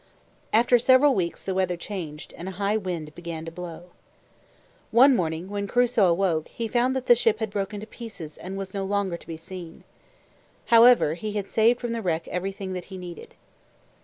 After several weeks, the weather changed, and a high wind began to blow. One morning, when Crusoe awoke, he found that the ship had broken to pieces and was no longer to be seen. However, he had saved from the wreck everything that he needed.